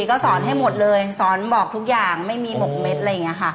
ก็สอนให้หมดเลยสอนบอกทุกอย่างไม่มีหมกเม็ดอะไรอย่างนี้ค่ะ